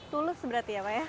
tulus berarti ya pak ya